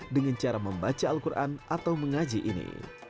dengan cara membaca al quran atau mengaji ini